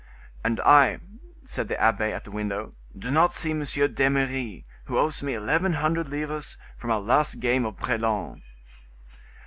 "And I," said the abbe, at the window, "do not see M. d'Eymeris, who owes me eleven hundred livres from our last game of brelan."